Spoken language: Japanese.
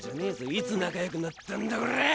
いつ仲良くなったんだゴラ。